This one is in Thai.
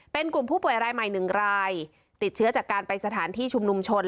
เป็นกลุ่มผู้ป่วยรายใหม่๑รายติดเชื้อจากการไปสถานที่ชุมนุมชน